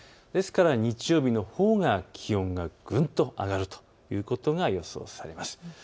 ですから日曜日のほうが気温が気温がぐんと上がるということが予想されます。